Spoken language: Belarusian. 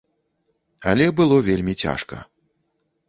Але было вельмі цяжка.